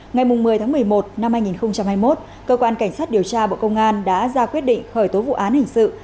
ngày một mươi tháng một mươi một năm hai nghìn hai mươi một cơ quan cảnh sát điều tra bộ công an đã ra quyết định khởi tố vụ án hình sự